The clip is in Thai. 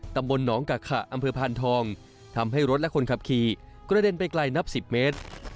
ตำบลหนองกะขะอำเภอพานทองทำให้รถและคนขับขี่กระเด็นไปไกลนับ๑๐เมตร